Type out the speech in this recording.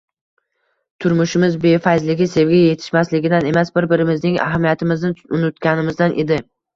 Turmushimiz befayzligi sevgi yetishmasligidan emas, bir-birimizning ahamiyatimizni unutganimizdan edi